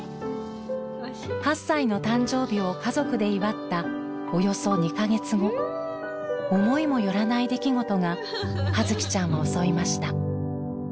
８歳の誕生日を家族で祝ったおよそ２カ月後思いも寄らない出来事が葉月ちゃんを襲いました。